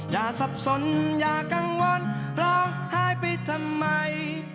อย่าสับสนอย่ากังวลร้องไห้ไปทำไม